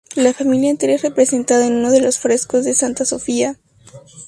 La familia entera es representada en uno de los frescos de Santa Sofía.